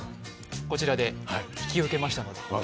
こちらで引き受けましたので。